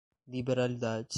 liberalidades